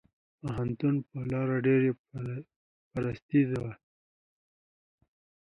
پوهنتون په لار ډېره فرصتي وه.